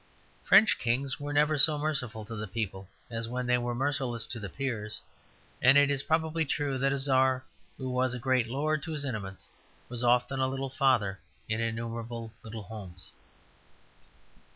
French kings were never so merciful to the people as when they were merciless to the peers; and it is probably true that a Czar who was a great lord to his intimates was often a little father in innumerable little homes.